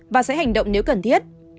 và sẽ hành động nếu cần thiết